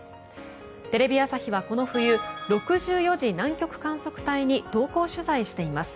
テレビ朝日はこの冬６４次南極観測隊に同行取材しています。